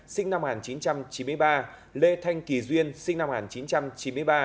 sinh năm một nghìn chín trăm chín mươi ba lê thanh kỳ duyên sinh năm một nghìn chín trăm chín mươi ba